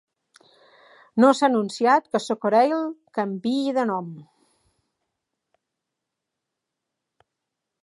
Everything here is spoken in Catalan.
No s'ha anunciat que 'Socorail' canviï de nom.